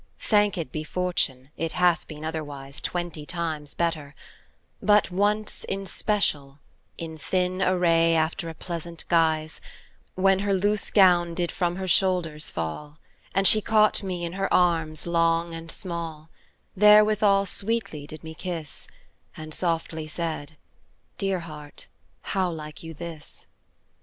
Thanked be fortune, it hath been otherwise Twenty times better; but once in special, In thin array after a pleasant guise, When her loose gown did from her shoulders did fall, And she me caught in her arms long and small*; {slender} And Therewithall sweetly did me kiss, And softly said, "Dear heart, how like you this?"